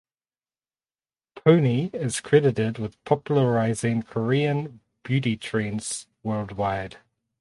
Pony is credited with popularizing Korean beauty trends worldwide.